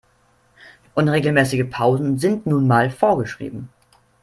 Und regelmäßige Pausen sind nun mal vorgeschrieben.